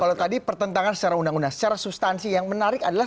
kalau tadi pertentangan secara undang undang secara substansi yang menarik adalah